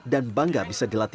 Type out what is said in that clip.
dan bangga bisa dilakukan